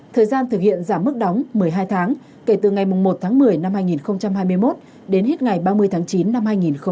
thời gian thực hiện giảm mức đóng một mươi hai tháng kể từ ngày một tháng một mươi năm hai nghìn hai mươi một đến hết ngày ba mươi tháng chín năm hai nghìn hai mươi